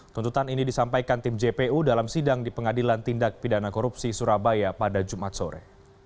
tuntutan ini disampaikan tim jpu dalam sidang di pengadilan tindak pidana korupsi surabaya pada jumat sore